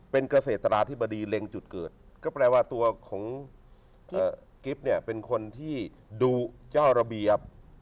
เป็นเกษตราธิบดีเล็งจุดเกิดก็แปลว่าตัวของกิ๊บเนี่ยเป็นคนที่ดูย่อระเบียบ